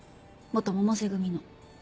百瀬組の。